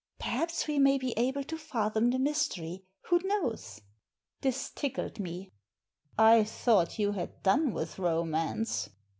Perhaps we may be able to fathom the mystery — who knows ?" This tickled me. " I thought you had done with romance."